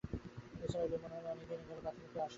নিসার আলির মনে হল, অনেক দিন এ ঘরে বা বাথরুমে কেউ আসে নি!